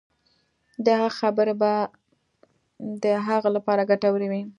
د هغه خبرې به د هغه لپاره ګټورې وي.